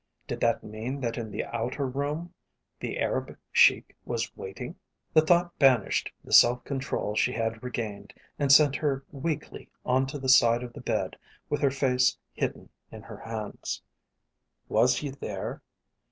Did that mean that in the outer room the Arab Sheik was waiting? The thought banished the self control she had regained and sent her weakly on to the side of the bed with her face hidden in her hands. Was he there?